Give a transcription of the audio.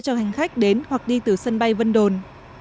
cho hành khách đến hoặc đi từ sân bay vân đồn